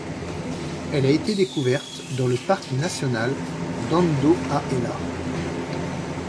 Elle été découverte dans le parc national d'Andohahela.